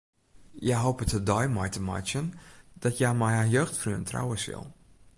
Hja hopet de dei mei te meitsjen dat hja mei har jeugdfreon trouwe sil.